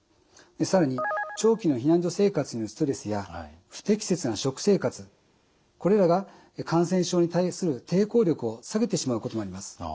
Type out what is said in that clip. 更に長期の避難所生活のストレスや不適切な食生活これらが感染症に対する抵抗力を下げてしまうこともあります。